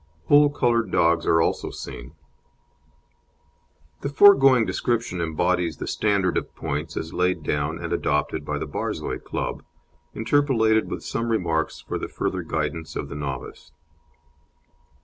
Whole coloured dogs are also seen. The foregoing description embodies the standard of points as laid down and adopted by the Borzoi Club, interpolated with some remarks for the further guidance of the novice.